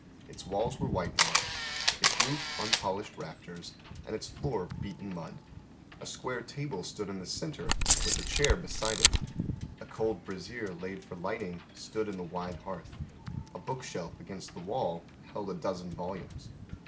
Its walls were whitewashed, its roof unpolished rafters, and its floor beaten mud. A square table stood in the centre, with a chair beside it; a cold brazier laid for lighting, stood in the wide hearth; a bookshelf against the wall held a dozen volumes.